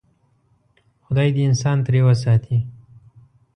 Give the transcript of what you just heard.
خدای دې انسان ترې وساتي.